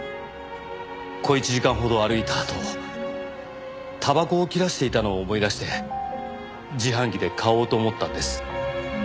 小一時間ほど歩いたあとたばこを切らしていたのを思い出して自販機で買おうと思ったんです。